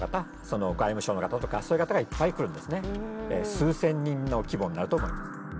数千人の規模になると思います。